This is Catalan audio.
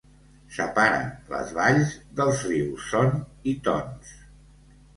Separen les valls dels rius Son i Tons.